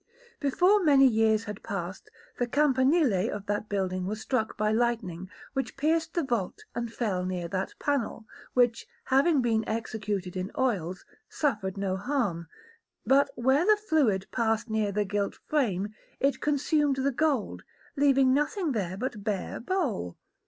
Before many years had passed, the campanile of that building was struck by lightning, which pierced the vault and fell near that panel, which, having been executed in oils, suffered no harm; but where the fluid passed near the gilt frame, it consumed the gold, leaving nothing there but the bare bole.